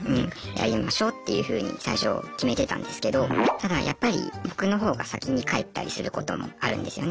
やりましょうっていうふうに最初決めてたんですけどただやっぱり僕の方が先に帰ったりすることもあるんですよね。